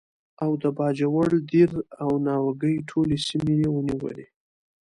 او د باجوړ، دیر او ناوګۍ ټولې سیمې یې ونیولې.